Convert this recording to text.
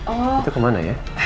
itu kemana ya